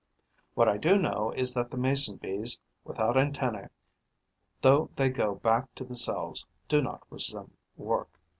What I do know is that the Mason bees without antennae, though they go back to the cells, do not resume work.